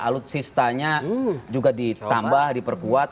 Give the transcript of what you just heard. alutsistanya juga ditambah diperkuat